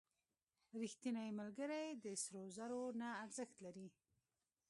• رښتینی ملګری د سرو زرو نه ارزښت لري.